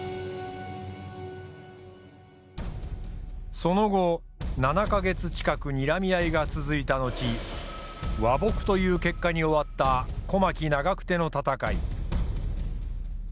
その後７か月近くにらみ合いが続いた後和睦という結果に終わった小牧・長久手の戦い。